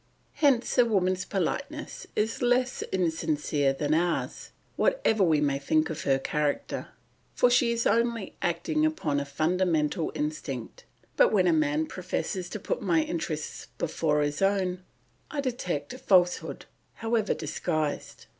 Hence a woman's politeness is less insincere than ours, whatever we may think of her character; for she is only acting upon a fundamental instinct; but when a man professes to put my interests before his own, I detect the falsehood, however disguised.